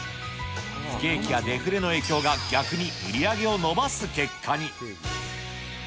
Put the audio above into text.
不景気やデフレの影響が逆に売り上げを伸ばす結果に。